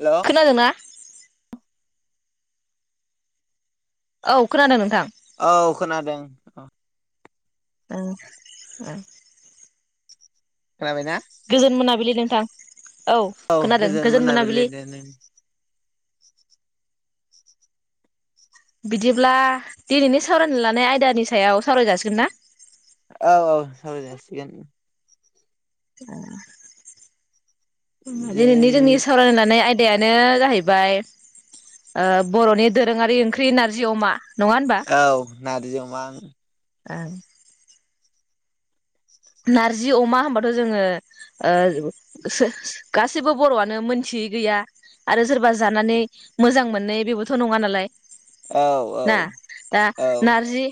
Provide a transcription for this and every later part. हेल' खोनादोंना? [inaudible] औ खोनादों नोंथां। औ खोनादों अ ओं ओ गोजोन मोनाबिलि नोंथां औ खोनादों गोजोन मोनाबिलि बिदिब्ला दिनैनि सावरायनो लानाय आयदानि सायाव सावराय जाासिगोन ना औ औ सावरायजासिगोन ओ ओम जों दिनैनि जोंनि सावरायनो लानाय आइ दायानो जाहैबाय ओ बर'नि दोरोङारि ओंख्रि नारजि अमा नङा होनबा औ नारजि अमा ओं ओं नारजि अमा होनबाथ' जोङो ओ सो गासैबो बर'आनो मोनथियै गैया आरो सोरबा जानानै मोजां मोनै बेबोथ' नङा नालाय औ ना दा औ नारजि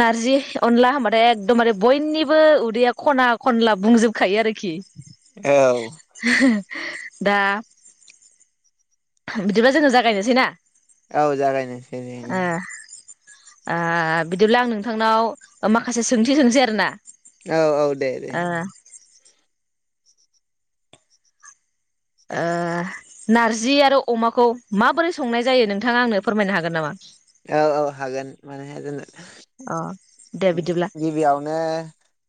नारजि अनला होनबाथाय एकदम बारे बयनि बो उदैया खना खनला बुंजोबखायो आरो खि। औ [unintelligible] दा बिदिबा जोङो जागायनोसै ना? औ जागायनोसै दे ओं। ओ ओ बिदिब्ला आं नोंथांनाव माखासे सोंथि सोंसै आरो ना? औ औ दे दे ओ ओ नारजि आरो अमाखौ माबोरै संनाय जायो नोंथाङा आंनो फोरमायनो हागोन नामा? औ औ हागोन मानो हाया जानो। अ दे बिदिब्ला गिबियावनो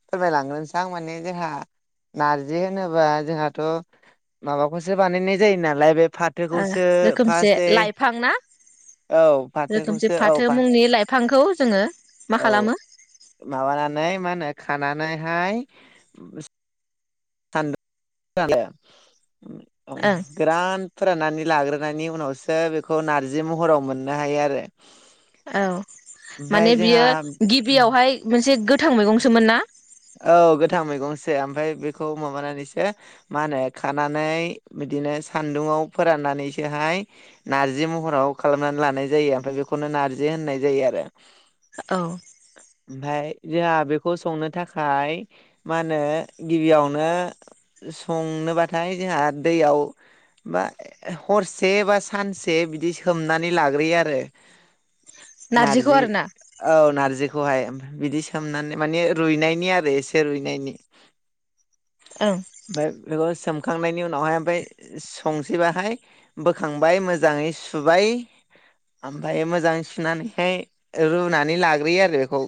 फोरमायलांग्रोसै थारमाने जोंहा नारजि होनोबा जोंहाथ माबाखौसो बानायनाय जायो नालाय बे ओ फाथोखौसो रोखोमसे फार्स्ट दे लाइफां ना औ रोखोमसे फाथोखौसो औ फाथो मुंनि लाइफ थांखौ जोङो मा औ खालामो माबानानै मा होनो खानानैहाय ब [inaudible] ओं गोरान फोराननानै लाग्रोनायनि उनावसो बेखौ नारजि महराव मोननो हायो आरो औ ओमफाय माने जोंहा बियो गिबियावहाय मोनसे गो थां मैगंसोमोन ना औ गोथां मैगंसो ओमफ्राय बेखौ माबानानैसो मा होनो खानानै बिदिनो सान्दुंआव फोराननानैसोहाय नारजि महराव खालामनानै लानाय जायो ओमफ्राय बेखौनो नार्जि होननाय जायो आरो औ ओमफ्राय जोंहा बेखौ संनो थाखाय थाखाय मा होनो गिबियावनो संनोबाथाय जोंहा दैयाव बा हरसे बा सानसे बिदि सोमनानै लाग्रोयो आरो नारजिखौ नारजि आरो ना औ नारजि हाय बिदि ओं सोमनानै माने रुइनाय नि आरो रसे रइनायनि मे बेखौ सोम सुखांनायनि उनावहाय ओमफ्राय संसैबाहाय बोखांबाय मोजाङै सुबाय ओमफ्राय मोजाङै सुनानैहाय रुनानै लाग्रोयो आरो बेखौ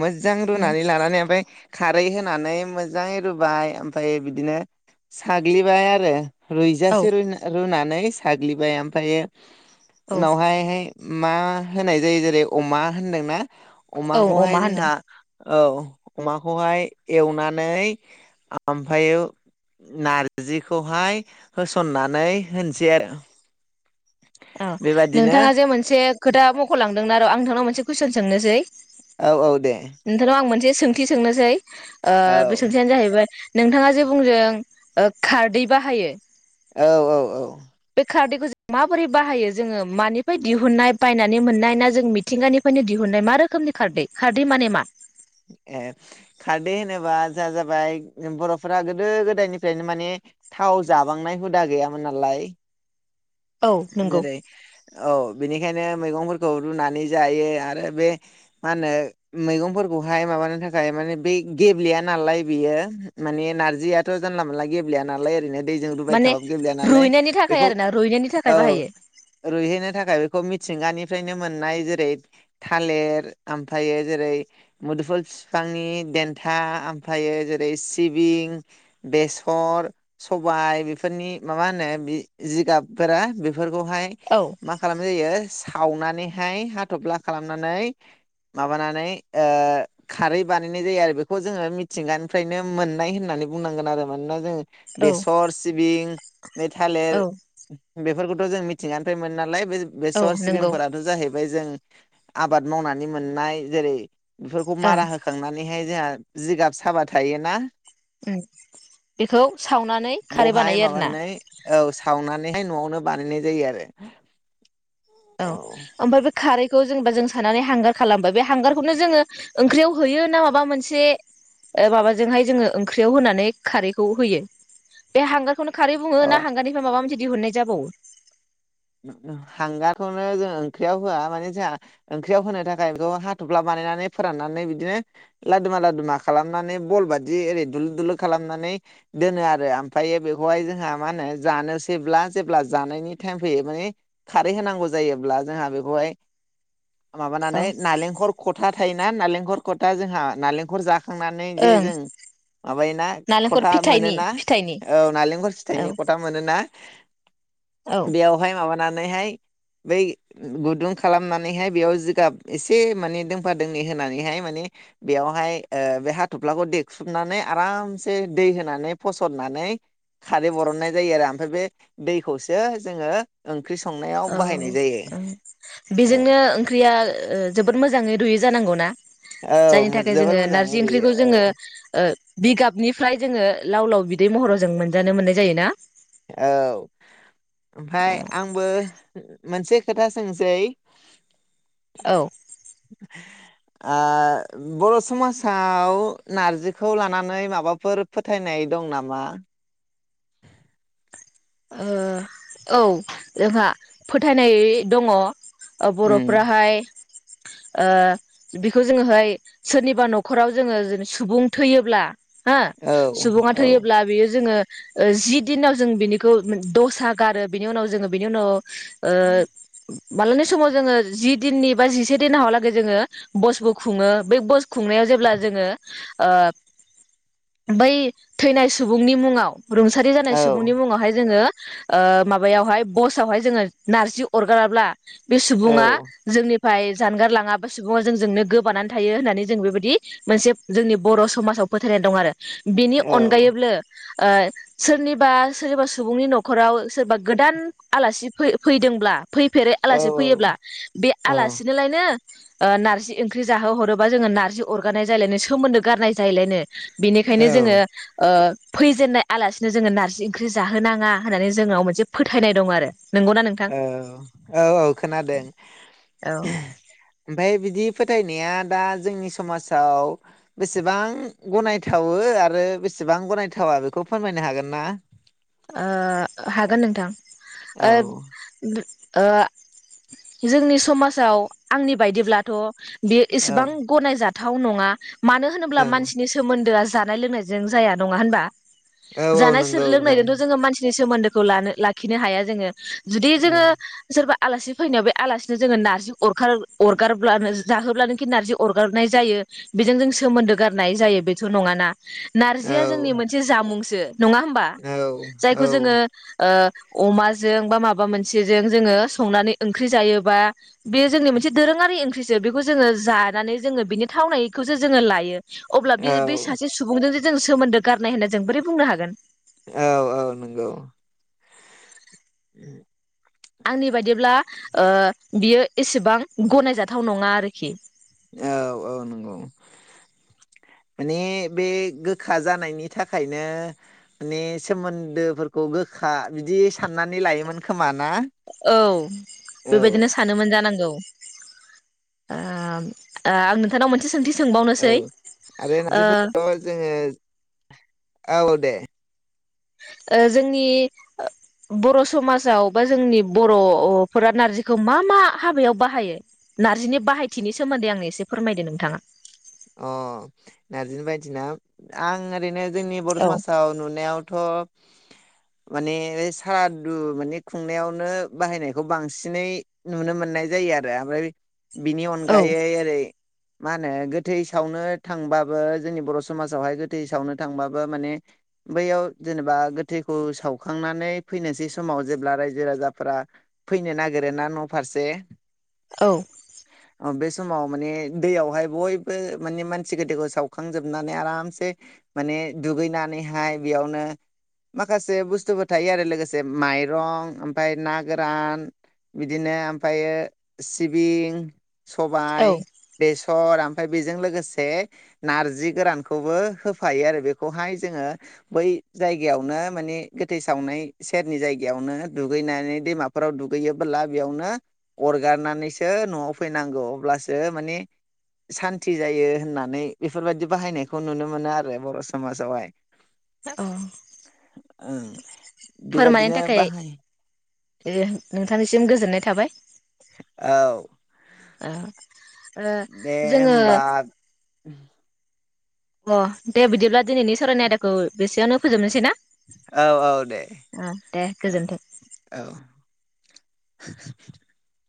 मोजां उम रुनानै ओमफाय खारै होनानै मोजाङै रुबाय ओमफाय बिदिनो साग्लिबाय आरो औ रुइजासे रइ रूना नै साग्लिबाय ओमफायो औ उनावहाय हाय मा होनाय जायो जेरै अमा होनदोंना औ अमाखौहाय अमा होनदों जोंहा औ अमाखौहाय एवनानै ओमफाययो नारजिखौहाय होसननानै होनोसै आरो। औ बेबादिनो नोंथाङा जे मोनसे खोथा मखलांदों नोंना र आं नोंथांव मोनसे कुइसन सोंनोसै औ औ दे नोंथांंनाव आं मोनसे सों थि सोंनोसै ओ औ बि सोंथियानो जाहैबाय नोंथाङा जे बुंदों ओ खारदै बाहायो। औ औ औ बे खारदैखौ जों मा बोरै बाहायो जोङो मानिफ्राय दिहुननाय बायनानै मोननाय ना जों मिथिंगानिफ्रायनो दिहुननाय मा रोखोमनि खारदै खारदै माने मा ए खारदै होनोबा जोंहा जाबाय बर'फोरा गोदो गोदायनिफ्रायनो माने थाव जाबांनाय हुदा गैयामोन नालाय। औ नंगौ जेरै औ बेनिखायनो मैगंफोरखौ रुनानै जायो आरो बे मा होनो मैगंफोरखौहाय माबानो थाखाय माने बे गेब्लेया नालाय बियो माने नारजियाथ जानला मोनानला गेब्लेया नालाय ओरैनो दैजों रुबाय माने थाबाबो गेब्लेया नालाय रुइनायनि थाखाय बेखौ आरो ना रुइनायनि थाखाय औ बाहायो रुइहैनो थाखाय बेखौ मिथिंगानिफ्रायनो मोननाय जेरै थालिर ओमफ्रायो जेरै मुदुफुल बिफांनि देन्था ओमफ्रायो जेरै सिबिं बेसर सबाय बेफोरनि माबा होनो जिगाब फोरा बेफोरखौहाय औ मा खालामनाय जायो सावनानैहाय हाथब्ला खालामनानै माबानानै ओ खारै बानायनाय जायो आरो बेखौ जोङो मिथिंगानिफ्रायनो मोननाय होननानै बुंनांगोन आरो मानोना जोङो औ बेसर सिबिं बे थालेर औ बेफोरखौथ जों मिथिंगानिफ्राय मोनो नालाय। औ बेसर नंगौ सिबिंफोराथ जाहैबाय जों आबाद मावनानै मोननाय जेरै बेफोरखौ ओं मारा होखांनानैहाय जोंहा जिगाब साबा थायोना बेखौ सावनानै खारै बेवहाय बानायो आरोना। माबानानै औ सावनानैहाय न'आवनो बानायनाय जायो आरो। औ आमफ्राय बै खारैखौ जेनेबा जों साननानै हांगार खालामबाय बे हांगारखौनो जोङो ओंख्रियाव होयो ना माबा मोनसे माबाजोंहाय जोङो ओंख्रियाव होनानै खारैखौ होयो बे हांगारखौनो खारै बुङो औ ना हांगारनिफ्राय माबा मोनसे दिहुननाय जाबावो। हांगारखौनो जों ओंख्रियाव होआ माने जोंहा ओंख्रियाव होनो थाखाय बेखौ हाथफ्ला बानायनानै फोराननानै बिदिनो लादुमा लादुमा खालामनानै बल बादि ओरै दुलु दुलु खालामनानै दोनो आरो आमफ्राययो बेखौहाय जोंहा मा होनो जानोसैब्ला जेब्ला जानायनि टाइम फैयो माने खारै होनांगौ जायोब्ला जोंहा बेखौहाय औ माबानानै नालेंखर खथार थायोना नालेंखर खथा जोंहा नारेंखर जाख खांनानै जे ओं जों माबायोना नालेंखर खथा फिथाइनि मोनोना फिथाइनि औ नालेंखर औ फिथाइनि खथा मोनोना औ बेयावहाय माबा ना नानैहाय बै गुदुं खालामनानैहाय बेयाव जिगाब एसे माने दोंफा दोंनै होनानैहाय माने बेयावहाय ओ बे हाथफ्लाखौ देख्रुबनानै आरामसे दै होनानै फसरनानै खारै बरननाय जायो आरो ओमफ्राय बे दैखौसो जोङो ओं औ ओं औ बेजोंनो ओंख्रिया ओ जोबोद मोजाङै रुयो जानांगौ ना? जायनि औ थाखाय जोबोर जोङो मोजाङै नारजि रुयो ओंख्रिखौ औ जोङो ओ बिगाबनिफ्राय जोङो लाव लाव बिदै महराव जों मोनजानो मोननाय जायोना? औ ओमफाय आंबो मोनसे खोथा सोंसै औ आह बर' समाजाव नारजिखौ लानानै माबाफोर फोथायनाय दं नामा? ओ औ जोंहा फोथायनाय दङ' उम बर'फोरा हाय ओ बेखौ जोङोहाय सोरनिबा नखराव जोङो सुबुं थैयोब्ला हो औ सुबुङा औ थैयोब्ला बियो जोङो जि दिनाव जों बिनि खौ दसा गारो बिनि उनाव जोङो बिनि उनाव ओ मालानि समाव जोङो जि दिननि बा जिसे दिन हाउलागै जोङो बसबो खुङो बै बस खुंनायाव जेब्ला जोङो बै थैनाय सुबुंनि मुङाव रुंसारि औ जानाय सुबुंनि मुङावहाय जोङो ओ माबायावहाय बसावहाय जोङो नारजि अरगाराब्ला बे औ सुबुङा जोंनि ओमफ्राय जानगार लाङाबा सुबुङा जोंजोंनो गोबानानै थायो होननानै जों बेबायदि मोनसे जोंनि बर' समाजाव फोथायनाय दं आरो। बेनि औ अनगायैब्लो ओ सोरनिबा सोरनिबा सुबुंनि नखराव सोरबा गोदान आलासि फै-फैदोंब्ला फैफेरै औ आलासि फैयोब्ला बे औ आलासिनोलायनो ओ नारजि ओंख्रि जाहो हरोबा जोङो नारजि अरगानाय जायलायनो सोमोन्दो गारनाय जायलायनो। औ बिनिखायनो जोङो ओ फैजेननाय आलासिनो जोङो नारजि ओंख्रि जाहोनाङा होननानै जोंनाव मोनसे फोथायनाय दं आरो। नंगौना नोंथां औ औ औ खोनादों औ ओमफ्राय बिदि, फोथायनाया दा जोंनि समाजाव बेसेबां गनायथावो आरो बेसेबां गनायथावा बेखौ फोरमायनो हागोन ना? ओ हागोन नोंथां, औ ओ दुद ओह जोंनि समाजाव आंनि बायदिब्लाथ' बे औ एसेबां गनायजा थाव नङा, मानो होनोब्ला औ मानसिनि सोमोन्दोआ जि जानाय लोंनायजों जाया नङा होनबा, औ औ नगौ जानो? थ्रि सोमोन्दोखौ लानो लाखिनो हाया जोङो, जुदि औ जोङो सोरबा, आलासि फैनायाव बे आलासिनो जोङो नारजि अर अरगारब्लानो जाहोब्लानोखि नारजि अरगारनाय जायो बेजों जों सोमोन्दो गारनाय जायो बेथ' नङाना। औ नारजिया जोंनि मोनसे जामुं। सो। नङा होमबा। औ औ जायखौ जोङो ओ, अमाजों बा माबा मोनसेजों जोङो संनानै ओंख्रि जायोबा। बेयो जोंनि मोनसे दोरोङारि ओंख्रि। बेखौ जोङो जानानै जोङो बिनि थावनायखौसो जोङो लायो। अब्ला बे बे सासे सुबुंजों जों सोमोन्दो गारनाय होनना जों बोरै बुंनो हागोन। औ औ नंगौ [inaudible] आंनि बायदिब्ला ओ बियो एसेबां गनायजाथाव नङा आरोखि। औ औ नंगौ माने बे गोखा जानायनि थाखायनो माने सोमोन्दोफोरखौ गोखा बिदि साननानै लायोमोन खोमा। ना औ औ बेबायदिनो सानोमोन जानांगौ। आं नोंथांनाव मोनसे सोंथि औ सोंबावनोसै आरो ओ नारजिफोरखौथ' जोङो। औ दे। ओ जोंनि बर' समाजाव बा जोंनि बर'फोरा नारजिखौ मा मा हाबायाव बाहायो। नारजिनि बाहायथिनि सोमोन्दै आंनो एस, एसे फोरमायदो नोंथाङा। अ नारजि बायदिना आं। ओरैनो जोंनि बर' औ समाजाव नुनायावथ' माने सारादु माने खुंनायावनो बाहायनायखौ बांसिनै नुनो मोननाय जायो आरो ओमफाय। बिनि औ अनगायै ओरै। मा होनो गोथै सावनो थांबाबो जोंनि बर' समाजावहाय गोथै सावनो थांबाबो माने बैयाव जेनेबा गोथैखौ सावखांनानै फैनोसै समाव जेब्ला रायजो राजाफोरा फैनो नागिर ना न फारसे। औ बे समाव माने दैयावहाय बय बो माने मानसि गोथैखौ सावखांजोबनानै आरामसे माने दुगैनानैहाय बेयावनो माखासे बस्थुबो थायो आरो लोगोसे माइरं ओमफ्राय ना गोरान बिदिनो ओमफायो सिबिं। औ सबाइ बेसर। ओमफ्राय बेजों लोगोसे नारजि गोरानखौबो होफायो आरो बेखौहाय जोङो बै जायगायावनो माने गोथै सावनाय सेरनि जायगायावनो दुगैनानै दैमाफोराव दुगैयोबोला बेयावनो अरगारनानैसो नआव फैनांगौ अब्लासो माने। सान्थि जायो होननानै बेफोर बायदि बाहायनायखौ नुनो मोनो आरो बर' समाजावहाय। औ ओं फोरमायनो बेबादिनो थाखाय बाहाय नोंथांनिसिम गोजोननाय थाबाय। औ। [inaudible] ओ दे जोङो होमबा अ दे बिदिब्ला दिनैनि सावरायनाय आयदाखौ बेसेयावनो फोजोबनोसै ना। औ औ दे ओ दे औ गोजोन्थों। औ। [inaudible]